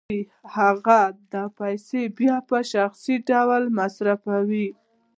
هغه دا پیسې بیا په شخصي ډول مصرفوي